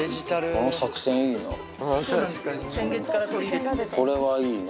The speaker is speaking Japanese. この作戦いいな。